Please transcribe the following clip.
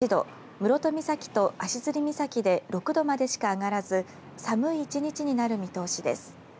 最高気温は高知市で８度室戸岬と足摺岬で６度までしか上がらず寒い１日になる見通しです。